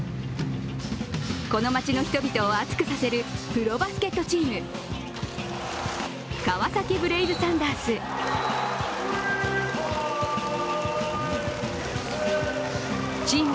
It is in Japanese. この街の人々を熱くさせるプロバスケットチーム、川崎ブレイブサンダース。